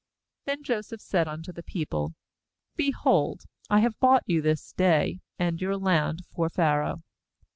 ^Then Joseph said unto the people: 'Behold, I have bought you this day and your land for Pharaoh.